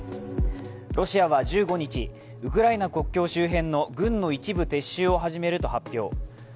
ロシアは１５日、ウクライナ国境周辺の軍の一部撤収を始めると発表。